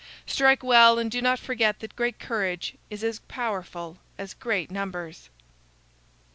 Strike well, and do not forget that great courage is as powerful as great numbers."